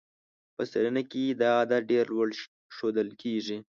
په سلنه کې دا عدد ډېر لوړ ښودل کېږي.